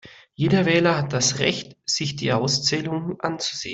Jeder Wähler hat das Recht, sich die Auszählung anzusehen.